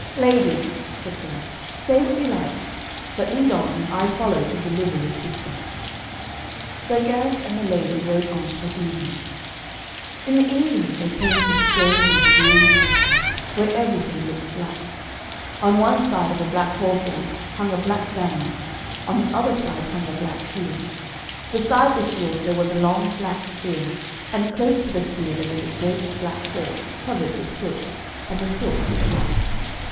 'Lady,' said Gareth, 'say what you like; but lead on, and I follow to deliver your sister.' So Gareth and the lady rode on till evening. In the evening they came to a strange and dreary country, where everything looked black. On one side of a black hawthorn hung a black banner, on the other side hung a black shield. Beside the shield there was a long black spear, and close to the spear there was a great black horse, covered with silk, and the silk was black.